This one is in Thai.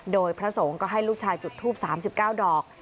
โดยพระสงฆ์ก็ให้ลูกชายจุดทูป๓๙ดอก